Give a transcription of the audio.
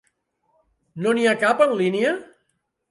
No n'hi ha cap en línia?